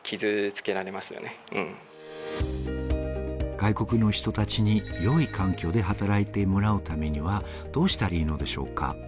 外国の人たちに良い環境で働いてもらうためにはどうしたらいいのでしょうか？